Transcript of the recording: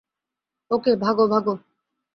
ওকে, ভাগো, ভাগো।